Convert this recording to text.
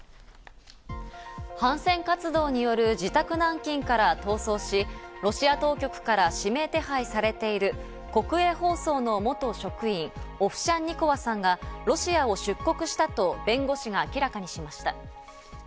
反戦活動による自宅軟禁から逃走し、ロシア当局から指名手配されている国営放送の元職員、オフシャンニコワさんがロシアを出国したと弁護士が明らかにしました。